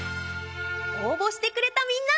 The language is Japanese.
応募してくれたみんな。